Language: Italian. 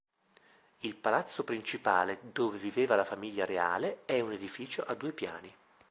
Il palazzo principale dove viveva la famiglia reale è un edificio a due piani.